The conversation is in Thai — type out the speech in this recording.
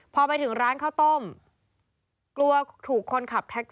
พอไปถึงร้านข้าวต้ม